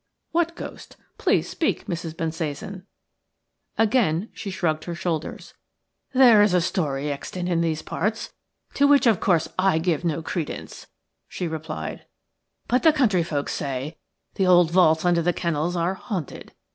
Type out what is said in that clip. "What ghost? Please speak, Mrs. Bensasan." Again she shrugged her shoulders. "There is a story extant in these parts, to which, of course, I give no credence," she replied; "but the country folks say that the old. vaults under the kennels are haunted.